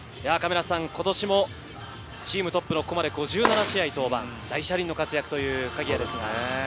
今年もチームトップの５７試合登板、大車輪の活躍という鍵谷ですね。